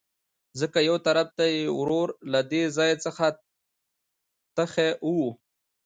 ځکه يوطرف ته يې ورور له دې ځاى څخه تښى وو.